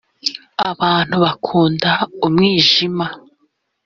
abantu bakunda umwijima